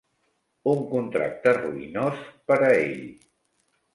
Un contracte ruïnós per a ell.